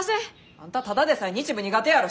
あんたただでさえ日舞苦手やろ。